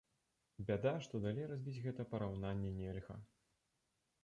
Бяда, што далей развіць гэта параўнанне нельга.